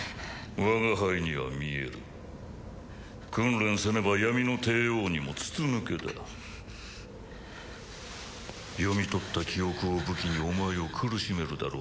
我が輩には見える訓練せねば闇の帝王にも筒抜けだ読み取った記憶を武器にお前を苦しめるだろう